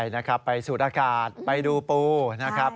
ใช่ไปสูตรอากาศไปดูปลูนะครับ